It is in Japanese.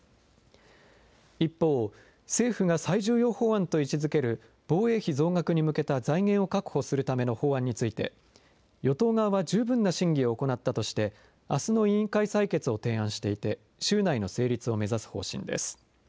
一方、政府が最重要法案と位置づける、防衛費増額に向けた財源を確保するための法案について、与党側は十分な審議を行ったとして、あすの委員会採決を提案していて、週内の成立を目指す方針です。